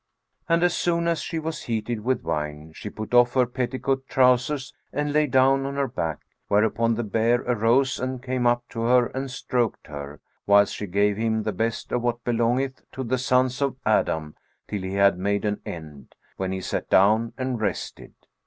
And as soon as she was heated with wine, she put off her petticoat trousers and lay down on her back; whereupon the bear arose and came up to her and stroked her, whilst she gave him the best of what belongeth to the sons of Adam till he had made an end, when he sat down and rested.